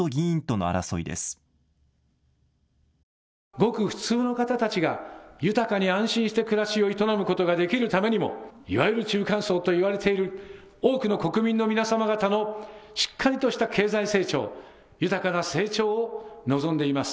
ごく普通の方たちが豊かに安心して暮らしを営むことができるためにも、いわゆる中間層と言われている多くの国民の皆様方のしっかりとした経済成長、豊かな成長を望んでいます。